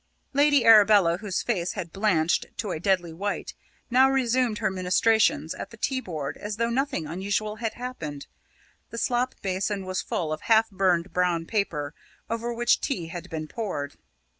Lady Arabella, whose face had blanched to a deadly white, now resumed her ministrations at the tea board as though nothing unusual had happened. The slop basin was full of half burned brown paper, over which tea had been poured.